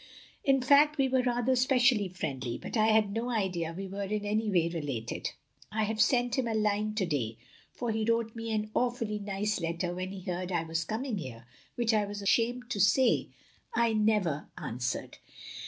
In fact we were rather specially friendly; but I had no idea we were in any way re lated. I 've sent him a line to day, for he wrote me an awfully nice letter when he heard I was coming here, which I 'm ashamed to say I never a 52 THE LONELY LADY answered.